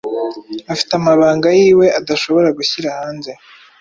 afite amabanga yiwe adashobora gushyira hanze